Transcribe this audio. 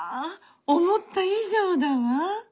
思った以上だわ。